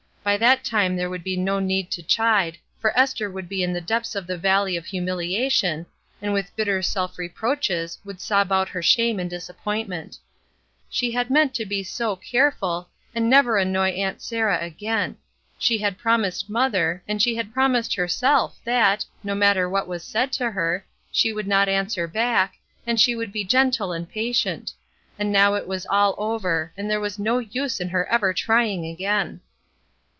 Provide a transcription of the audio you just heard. By that time there would be no need to chide, for Esther would be in the depths of the valley of humiliation, and with bitter self reproaches would sob out her shame and disappointment. She had meant to be so careful, and never annoy Aunt Sarah again. She had promised mother, and she had promised herself that, no matter what was said to her, she would not answer back, and she would be gentle and patient ; and now it was all over, and there was no use in her ever trying again.